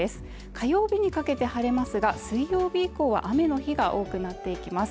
火曜日にかけて晴れますが、水曜日以降は雨の日が多くなっていきます。